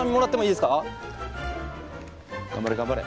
頑張れ頑張れ。